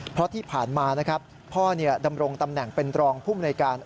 เพราะที่ผ่านมานะครับพ่อดำรงตำแหน่งเป็นรองภูมิในการ